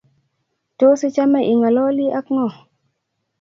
Tos, ichame ingololi ak ngo?